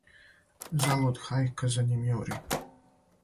Залуд хајка за њим јури,